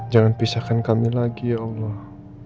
jangan pisahkan kami lagi ya allah